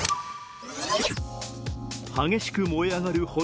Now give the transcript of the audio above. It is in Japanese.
激しく燃え上がる炎。